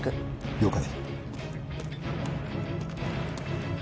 了解。